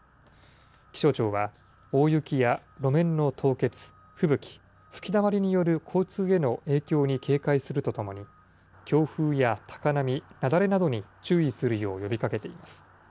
気象庁は、大雪や路面の凍結、吹雪、吹きだまりによる交通への影響に警戒するとともに、強風や高波、雪崩などに注意するよう呼びかけています。